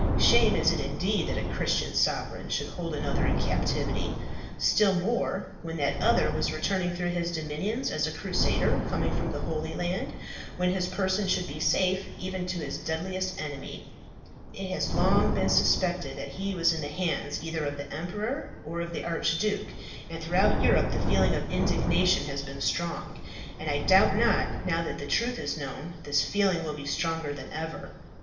Shame is it indeed that a Christian sovereign should hold another in captivity. Still more, when that other was returning through his dominions as a crusader coming from the Holy Land, when his person should be safe, even to his deadliest enemy. It has long been suspected that he was in the hands either of the emperor, or of the archduke, and throughout Europe the feeling of indignation has been strong; and I doubt not, now that the truth is known, this feeling will be stronger than ever."